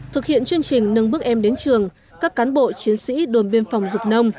thực hiện chương trình nâng bước em đến trường các cán bộ chiến sĩ đồn biên phòng dục nông